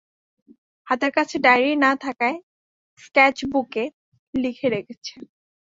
হাতের কাছে ডায়েরি না-থাকায় স্কেচবুকে লিখে রেখেছে।